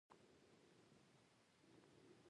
نظام د پرمختللو زده کړو له پاره وسائل او شرایط برابروي.